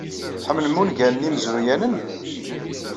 Tḥemmlem ungalen imezruyanen?